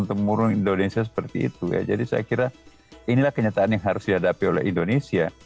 temurun indonesia seperti itu ya jadi saya kira inilah kenyataan yang harus dihadapi oleh indonesia